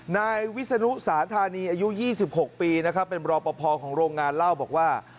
นายวิสนุสาธารณีอายุยี่สิบหกปีนะครับเป็นบรอบประพอของโรงงานเล่าบอกว่า